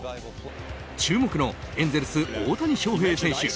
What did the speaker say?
注目のエンゼルス、大谷翔平選手